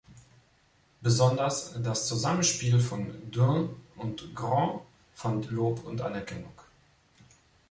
Besonders das Zusammenspiel von Dunne und Grant fand Lob und Anerkennung.